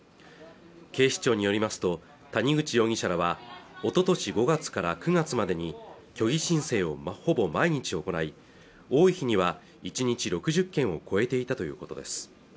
警視庁によりますと谷口容疑者らはおととし５月から９月までに虚偽申請をほぼ毎日行い多い日には１日６０件を超えていたということです